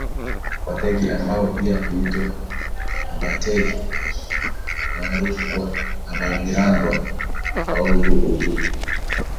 Wategi ambao pia huitwa Abhathegi maarufu kama Abhagirango Waugu Ugu